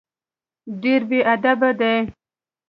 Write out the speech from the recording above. ډېر بېادبه دی.